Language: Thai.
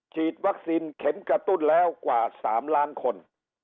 ฉีดวัคซีนเข็มกระตุ้นแล้วกว่า๓ล้านคน